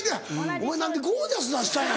お前何でゴー☆ジャス出したんや。